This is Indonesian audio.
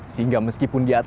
sehingga meskipun dia berpikir